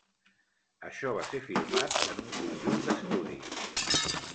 Això va ser filmat en un conjunt d'estudi.